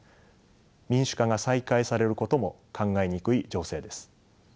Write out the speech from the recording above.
民主化が再開されることも考えにくい情勢です。